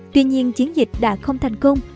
tuy nhiên chiến dịch đã không thành công